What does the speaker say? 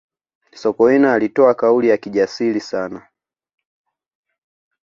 sokoine alitoa kauli ya kijasiri sana